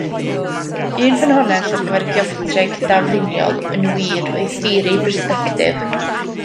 Un ffynhonnell ar gyfer geometreg dafluniol, yn wir, oedd theori persbectif.